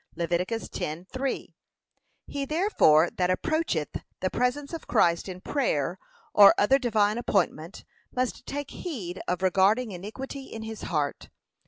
(Lev. 10:3) He therefore that approacheth the presence of Christ in prayer, or any other divine appointment, must take heed of regarding 'iniquity in his heart.'